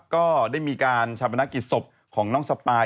ก็ได้มีการชาปนกิจศพของน้องสปาย